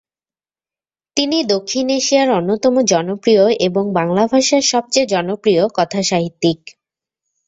তিনি দক্ষিণ এশিয়ার অন্যতম জনপ্রিয় এবং বাংলা ভাষার সবচেয়ে জনপ্রিয় কথাসাহিত্যিক।